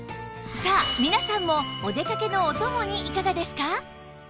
さあ皆さんもお出かけのお供にいかがですか？